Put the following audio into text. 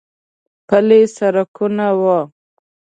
پلي سړکونه و.